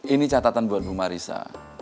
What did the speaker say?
ini catatan buat bu marisa